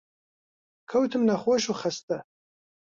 کەوتم نەخۆش و خەستە